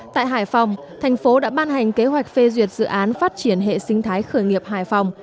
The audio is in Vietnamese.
tại hải phòng thành phố đã ban hành kế hoạch phê duyệt dự án phát triển hệ sinh thái khởi nghiệp hải phòng